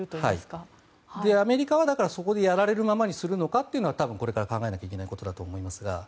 アメリカはそこでやられるままにするのかというのは多分これから考えなきゃいけないことだと思いますが。